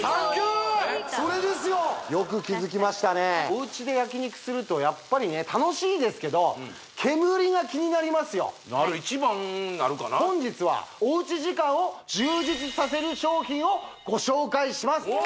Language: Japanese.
香りそれですよよく気づきましたねおウチで焼肉するとやっぱりね楽しいですけど煙が気になりますよなる一番なるかな本日はおウチ時間を充実させる商品をご紹介します